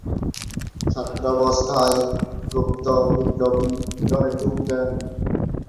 ছাত্রাবস্থায় গুপ্ত বিপ্লবী দলে যোগ দেন।